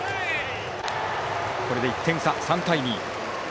これで１点差、３対２。